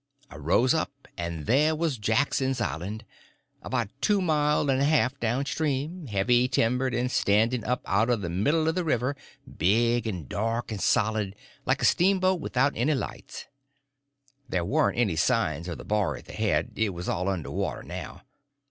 I rose up, and there was Jackson's Island, about two mile and a half down stream, heavy timbered and standing up out of the middle of the river, big and dark and solid, like a steamboat without any lights. There warn't any signs of the bar at the head—it was all under water now.